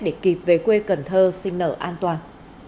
để kịp về quê cần thơ sinh nở an toàn